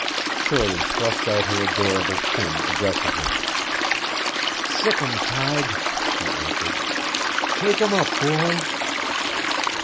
Shirley thrust out her adorable chin aggressively. "Sick 'em. Tige!" she answered. "Shake 'em up, boy!"